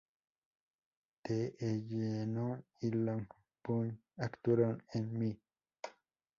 Taeyeon y Jonghyun actuaron en "M!